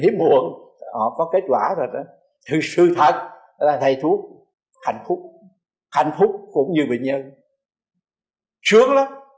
cũng như bệnh nhân trước lắm